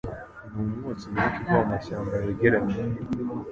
numwotsi mwinshi uva mumashyamba yegeranye